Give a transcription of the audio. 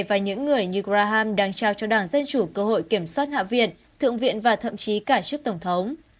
và những người như graham đang trao cho đảng dân chủ cơ hội kiểm soát hạ viện thượng viện và thậm chí cả trước tổng thống